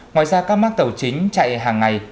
ngoài ra các mác tàu chính chạy hàng ngày